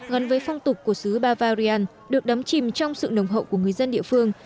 gần với phong tục của sứ bavarian được đắm chìm trong sự nồng hậu của người dân địa phương